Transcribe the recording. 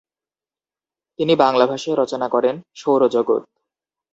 তিনি বাংলা ভাষায় রচনা করেন - ‘’সৌরজগৎ’’ ।